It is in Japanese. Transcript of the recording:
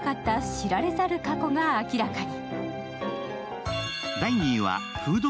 知られざる過去が明らかに。